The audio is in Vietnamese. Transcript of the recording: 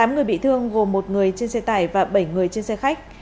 tám người bị thương gồm một người trên xe tải và bảy người trên xe khách